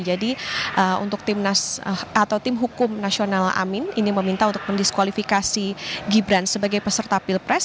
jadi untuk tim hukum nasional amin ini meminta untuk mendiskualifikasi gibran sebagai peserta pilpres